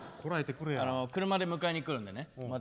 車で迎えに来るんでね。